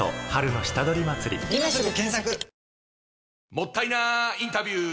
もったいなインタビュー！